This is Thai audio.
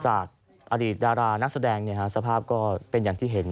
จากอดีตดารานักแสดงสภาพก็เป็นอย่างที่เห็น